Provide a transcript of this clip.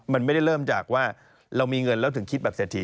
มันไม่ได้เริ่มจากว่าเรามีเงินแล้วถึงคิดแบบเศรษฐี